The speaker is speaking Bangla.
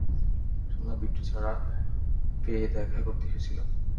শুনলাম বিট্টু ছাড়া পেয়ে দেখা করতে এসেছিলো।